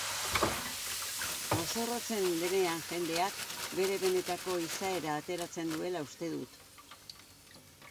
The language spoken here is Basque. Mozorrotzen denean jendeak bere benetako izaera ateratzen duela uste dut.